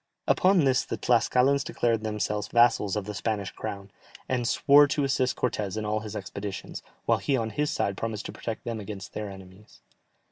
Upon this the Tlascalans declared themselves vassals of the Spanish crown, and swore to assist Cortès in all his expeditions, while he on his side promised to protect them against their enemies.